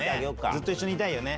ずっと一緒にいたいよね。